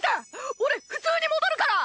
俺普通に戻るから！